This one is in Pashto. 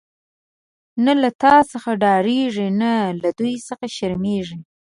نه له تا څخه ډاريږی، نه له دوی څخه شرميږی